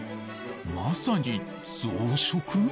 まさに増殖！？